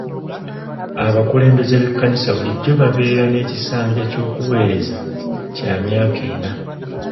Abakulembeze b'ekkanisa bulijjo babeera n'ekisanja ky'okuweereza kya myaka ena.